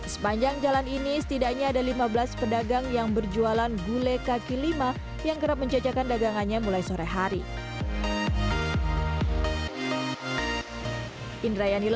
sepanjang jalan ini setidaknya ada lima belas pedagang yang berjualan gulai kk lima yang kerap menjajakan dagangannya mulai sore hari